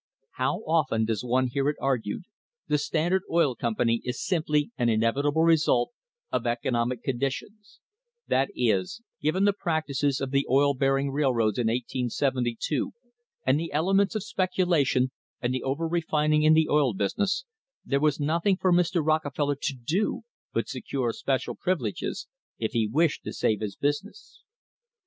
How often does one hear it argued, the Standard Oil Com pany is simply an inevitable result of economic conditions; that is, given the practices of the oil bearing railroads in 1872 and the elements of speculation and the over refining in the oil business, there was nothing for Mr. Rockefeller to do but secure special privileges if he wished to save his business.